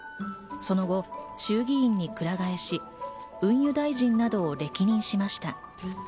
その後、衆議院にくら替えし、運輸大臣などを歴任しました。